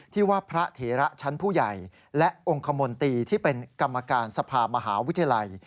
ที่ว่าพระเถระชั้นผู้ใหญ่และองค์คมนตรีที่เป็นกรรมการสภามหาวิทยาลัย